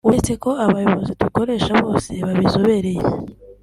uretse ko abakozi dukoresha bose babizobereye